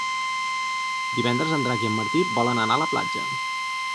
Divendres en Drac i en Martí volen anar a la platja.